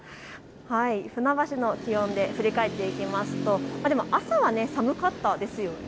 船橋の気温で振り返っていきますと朝は寒かったですよね。